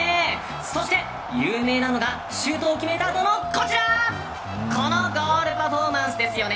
そして、有名なのがシュートを決めたあとのこのゴールパフォーマンスですよね。